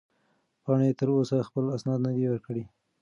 پاڼې تر اوسه خپل اسناد نه دي ورکړي.